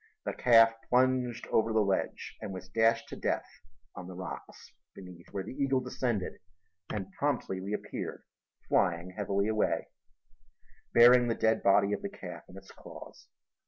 The calf plunged over the ledge and was dashed to death on the rocks beneath, where the eagle descended and promptly reappeared flying heavily away, bearing the dead body of the calf in its claws.